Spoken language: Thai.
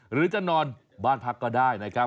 หรือจะนอนบ้านพักก็ได้นะครับ